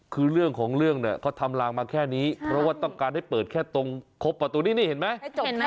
คือเรื่องของเรื่องเนี่ยเขาทำลางมาแค่นี้เพราะว่าต้องการให้เปิดแค่ตรงครบประตูนี้นี่เห็นไหม